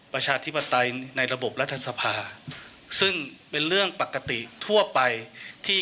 ประชาธิปไตยในระบบรัฐสภาซึ่งเป็นเรื่องปกติทั่วไปที่